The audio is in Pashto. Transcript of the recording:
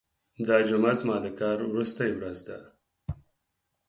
دا جمعه زما د کار وروستۍ ورځ ده.